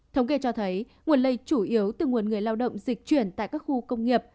thống kê cho thấy nguồn lây chủ yếu từ nguồn người lao động dịch chuyển tại các khu công nghiệp